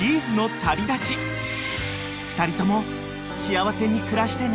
［２人とも幸せに暮らしてね］